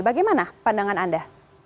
bagaimana pandangan anda